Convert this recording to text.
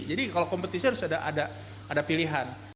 jadi kalau kompetisi harus ada pilihan